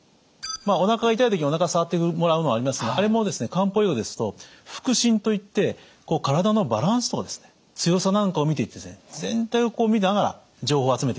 おなかが痛い時におなか触ってもらうのがありますがあれも漢方用語ですと腹診といって体のバランスとか強さなんかを見ていって全体を見ながら情報を集めていくんですね。